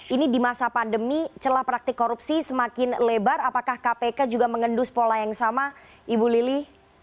ini di masa pandemi celah praktik korupsi semakin lebar apakah kpk juga mengendus pola yang sama ibu lili